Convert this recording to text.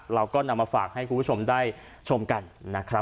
เราก็นำมาฝากให้คุณผู้ชมได้ชมกันนะครับ